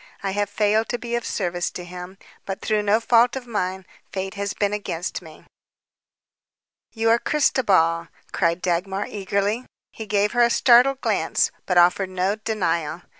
I have failed to be of service to him, but through no fault of mine. Fate has been against me." "You are Christobal," cried Dagmar eagerly. He gave her a startled glance, but offered no denial.